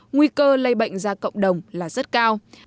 nguy cơ lây bệnh ra cộng đồng là rất cao